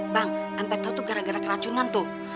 bang sampai tau tuh gara gara keracunan tuh